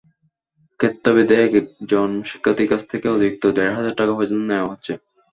ক্ষেত্রভেদে একেকজন শিক্ষার্থীর কাছ থেকে অতিরিক্ত দেড় হাজার টাকা পর্যন্ত নেওয়া হচ্ছে।